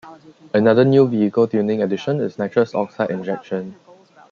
Another new vehicle tuning addition is nitrous oxide injection.